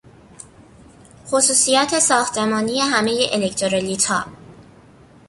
خصوصیات ساختمانی همهی الکترولیتها